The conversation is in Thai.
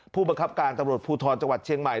ผู้บังคับการตำรวจภูทรจังหวัดเชียงใหม่